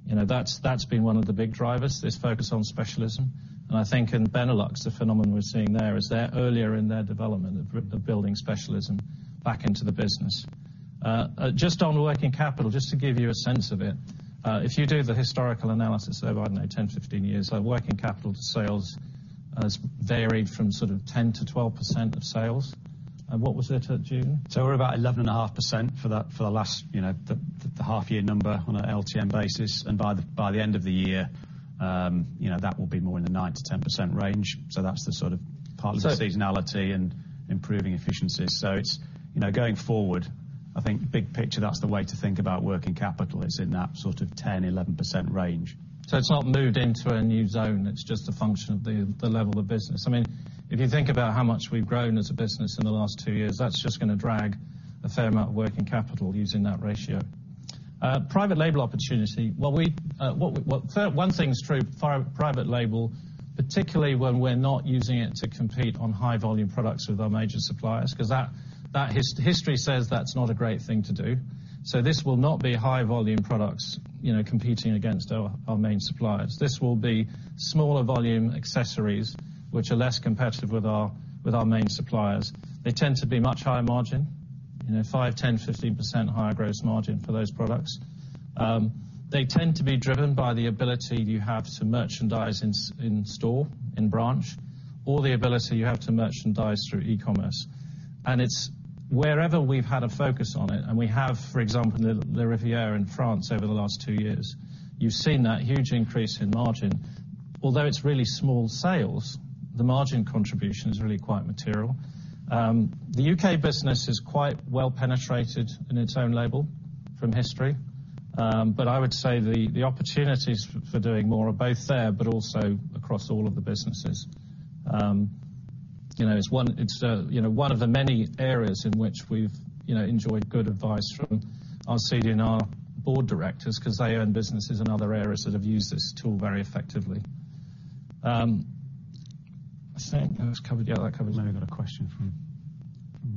You know, that's been one of the big drivers, this focus on specialism. I think in Benelux, the phenomenon we're seeing there is they're earlier in their development of building specialism back into the business. Just on working capital, just to give you a sense of it, if you do the historical analysis over, I don't know, 10, 15 years, our working capital to sales has varied from sort of 10%-12% of sales. What was it at June? We're about 11.5% for that, for the last, you know, the half year number on a LTM basis. By the end of the year, you know, that will be more in the 9%-10% range. That's the sort of part of the seasonality and improving efficiencies. It's, you know, going forward, I think big picture, that's the way to think about working capital is in that sort of 10%-11% range. It's not moved into a new zone. It's just a function of the level of business. I mean, if you think about how much we've grown as a business in the last two years, that's just gonna drag a fair amount of working capital using that ratio. Private label opportunity. One thing's true, private label, particularly when we're not using it to compete on high volume products with our major suppliers, 'cause that history says that's not a great thing to do. This will not be high volume products, you know, competing against our main suppliers. This will be smaller volume accessories, which are less competitive with our main suppliers. They tend to be much higher margin, you know, 5%, 10%, 15% higher gross margin for those products. They tend to be driven by the ability you have to merchandise in store, in branch, or the ability you have to merchandise through e-commerce. It's wherever we've had a focus on it, and we have, for example, in the Larivière in France over the last two years, you've seen that huge increase in margin. Although it's really small sales, the margin contribution is really quite material. The U.K. business is quite well penetrated in its own label from history. I would say the opportunities for doing more are both there, but also across all of the businesses. You know, it's one of the many areas in which we've you know, enjoyed good advice from our CD&R board directors, 'cause they own businesses in other areas that have used this tool very effectively. I think that's covered, yeah, that covers it. We maybe got a question from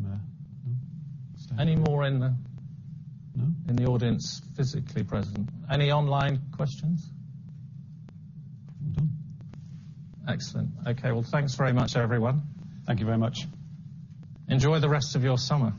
there. No? Any more in the- No? In the audience physically present? Any online questions? Well done. Excellent. Okay. Well, thanks very much, everyone. Thank you very much. Enjoy the rest of your summer.